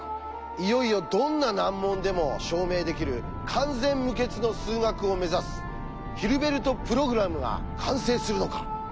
いよいよどんな難問でも証明できる完全無欠の数学を目指すヒルベルト・プログラムが完成するのか。